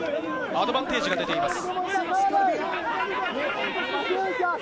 アドバンテージが出ています。